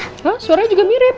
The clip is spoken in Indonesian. hah suaranya juga mirip